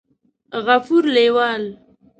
غفور لېوال